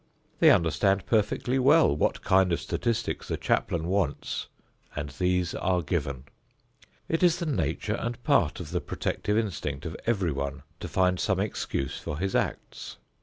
They understand perfectly well what kind of statistics the chaplain wants and these are given. It is the nature and part of the protective instinct of everyone to find some excuse for his acts.